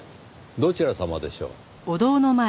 どちら様でしょう？